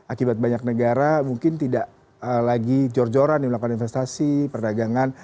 akibat banyak negara mungkin tidak lagi jor joran melakukan investasi perdagangan